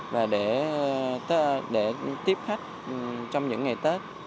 và để tiếp khách trong những ngày tết